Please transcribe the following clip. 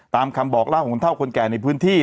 ตามคำบอกเล่าของคนเท่าคนแก่ในพื้นที่